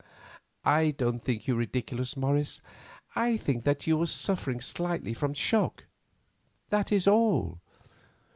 "I don't think you ridiculous, Morris; I think that you are suffering slightly from shock, that is all.